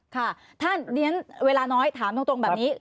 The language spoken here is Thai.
ค่ะถ้าเรียนเวลาน้อยถามตรงแบบนี้